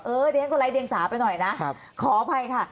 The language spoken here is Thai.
เดี๋ยวฉันก็ไร้เดียงสาไปหน่อยนะขออภัยค่ะ